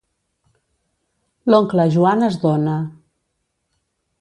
L'oncle Joan es dóna.